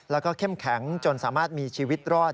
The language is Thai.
แล้วก็เข้มแข็งจนสามารถมีชีวิตรอด